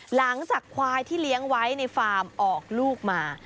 หลังจากควายที่เลี้ยงไว้ในฟาร์มออกลูกมา